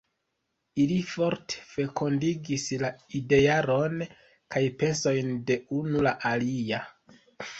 Ili forte fekundigis la idearon kaj pensojn de unu la alia.